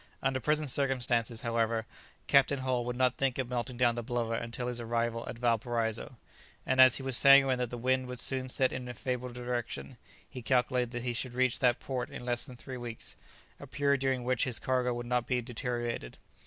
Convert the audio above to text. Under present circumstances, however, Captain Hull would not think of melting down the blubber until his arrival at Valparaiso, and as he was sanguine that the wind would soon set in a favourable direction, he calculated that he should reach that port in less than three weeks, a period during which his cargo would not be deteriorated.